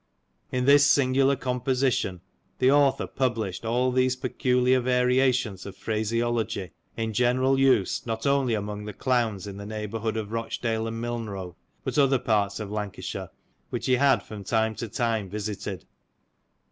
In this singular composition the author published all these peculiar variations of phraseology, in general use not only among the clowns in the neighbourhood of Eochdale and Milnrow, but other parts of Lancashire, which he had from time to time visited.